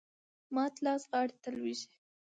مات لاس غاړي ته لویږي .